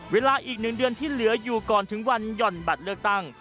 เวลาอีก๑เดือนที่เหลืออยู่ก่อนถึงวันหย่อนบัตรเลือกตั้ง